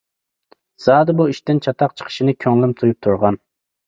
-زادى بۇ ئىشتىن چاتاق چىقىشىنى كۆڭلۈم تۇيۇپ تۇرغان.